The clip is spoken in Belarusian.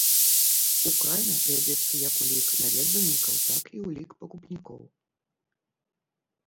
У краме вядзецца як ўлік наведвальнікаў, так і ўлік пакупнікоў.